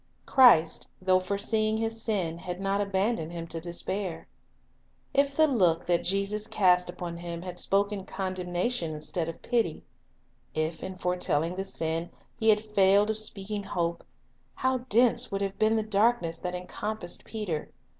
Christ, though foreseeing his sin, had not abandoned him to despair. If the look that Jesus cast upon him had spoken condemnation instead of pity ; if in foretelling the sin He had failed of speaking hope, how dense would have been the darkness that encompassed Peter!